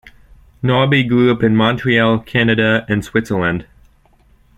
Narby grew up in Montreal, Canada, and Switzerland.